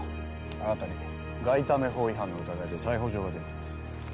あなたに外為法違反の疑いで逮捕状が出ています。